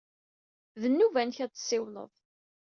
D nnuba-nnek ad d-tessiwled.